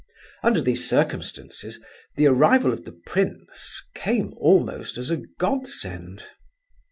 Under these circumstances the arrival of the prince came almost as a godsend.